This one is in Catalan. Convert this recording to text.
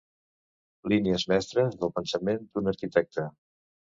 Línies mestres del pensament d'un arquitecte.